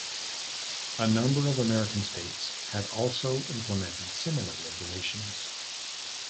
A number of American states had also implemented similar regulations.